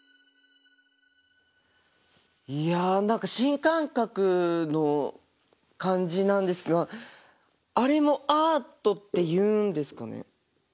いや何か新感覚の感じなんですがあれもアートっていうんですかね？